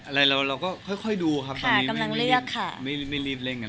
อะไรเราก็ค่อยค่อยดูครับค่ะกำลังเลือกค่ะไม่ไม่รีบเร่งอะไรอย่างงี้